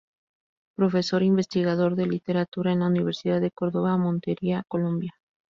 Profesor-investigador de Literatura en la Universidad de Córdoba, Montería, Colombia.